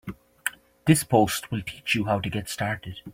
This post will teach you how to get started.